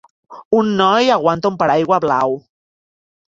Un noi aguanta un paraigua blau.